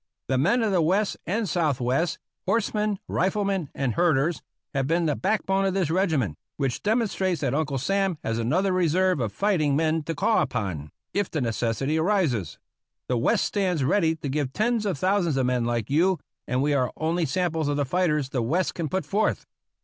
The men of the West and Southwest, horsemen, riflemen, and herders, have been the backbone of this regiment, which demonstrates that Uncle Sam has another reserve of fighting men to call upon, if the necessity arises. The West stands ready to give tens of thousands of men like you, and we are only samples of the fighters the West can put forth.